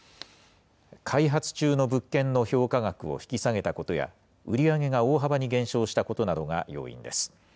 開発中の物件の評価額を引き下げたことや、売り上げが大幅に減少したことなどが要因です。